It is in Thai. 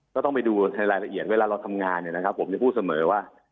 เราต้องไปดูในรายละเอียดเวลาเราทำงานผมจะพูดเสมอว่า